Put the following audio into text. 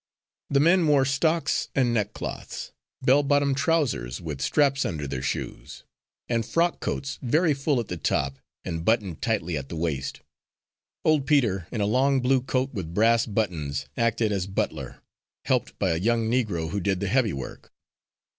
The men wore stocks and neckcloths, bell bottomed trousers with straps under their shoes, and frock coats very full at the top and buttoned tightly at the waist. Old Peter, in a long blue coat with brass buttons, acted as butler, helped by a young Negro who did the heavy work.